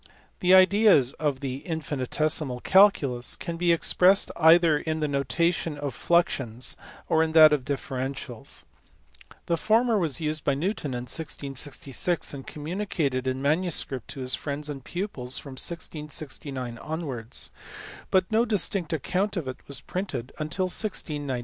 The ideas of the infinitesimal calculus can be expressed either in the notation of fluxions or in that of differentials. The former was used by Newton in 1666, and communicated in manuscript to his friends and pupils from 1669 onwards, but no distinct account of it was printed till 1693.